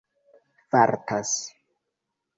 fartas